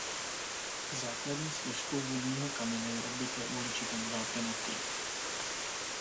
Základní složkou vodního kamene je obvykle uhličitan vápenatý.